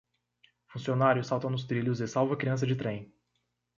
Funcionário salta nos trilhos e salva criança de trem